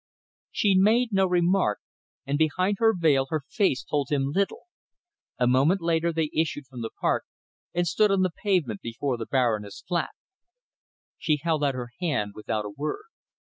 She made no remark, and behind her veil her face told him little. A moment later they issued from the Park and stood on the pavement before the Baroness' flat. She held out her hand without a word.